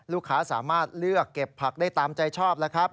ลูกค้าสามารถเลือกเก็บผักได้ตามใจชอบแล้วครับ